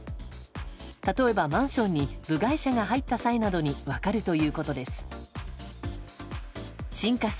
例えば、マンションに部外者が入った際などに分かるということです。